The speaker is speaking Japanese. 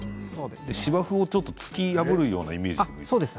芝生を突き破るようなイメージですね。